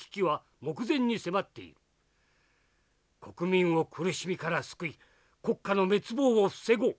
国民を苦しみから救い国家の滅亡を防ごう」。